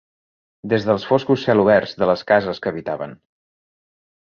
Des dels foscos celoberts de les cases que habitaven